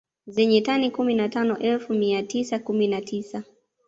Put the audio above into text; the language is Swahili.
Zenye tani kumi na tano elfu mia tisa kumi na tisa